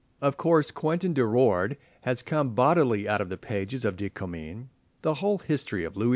Of course Quentin Durward has come bodily out of the pages of De Comines. The whole history of Louis XI.